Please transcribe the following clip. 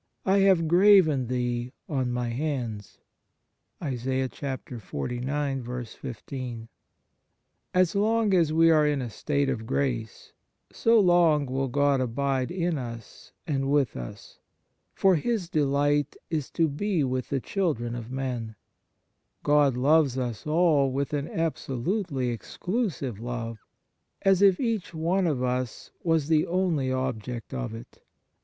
I have graven thee on My hands." 1 As long as we are in a state of grace, so long will God abide in us and with us; for " His delight is to be with the children of men." God loves us all with an absolutely exclusive love, as if each one of us was the only object of it.